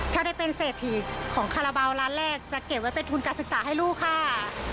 ถ้าได้เป็นเศรษฐีของคาราบาลร้านแรกจะเก็บไว้เป็นทุนการศึกษาให้ลูกค่ะ